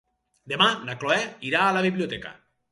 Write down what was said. Demà na Cloè irà a la biblioteca.